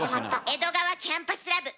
「江戸川キャンパスラブ」